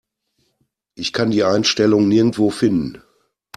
Ich kann die Einstellung nirgendwo finden.